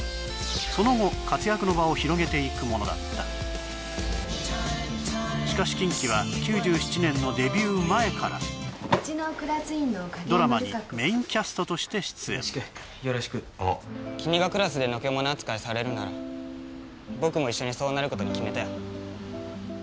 その後活躍の場を広げていくものだったしかしＫｉｎＫｉは９７年のデビュー前からドラマにメインキャストとして出演君がクラスでのけ者扱いされるなら僕も一緒にそうなることに決めたよ